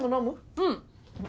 うん。